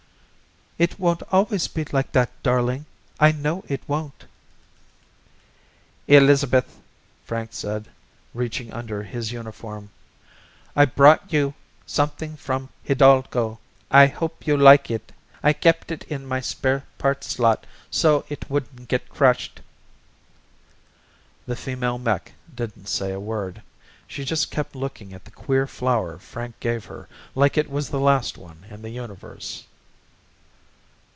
"It won't always be like that, darling. I know it won't." "Elizabeth," Frank said, reaching under his uniform, "I brought you something from Hidalgo. I hope you like it. I kept it in my spare parts slot so it wouldn't get crushed." The female mech didn't say a word. She just kept looking at the queer flower Frank gave her like it was the last one in the universe.